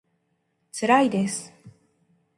つらいです